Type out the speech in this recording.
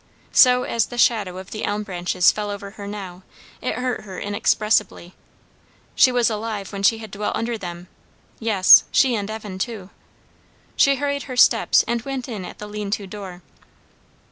So as the shadow of the elm branches fell over her now, it hurt her inexpressibly. She was alive when she had dwelt under them; yes, she and Evan too. She hurried her steps and went in at the lean to door.